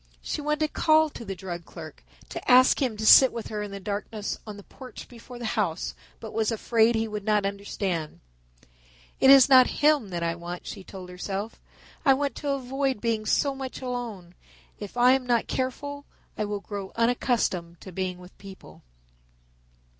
She wanted to call to the drug clerk, to ask him to sit with her in the darkness on the porch before the house, but was afraid he would not understand. "It is not him that I want," she told herself; "I want to avoid being so much alone. If I am not careful I will grow unaccustomed to being with people."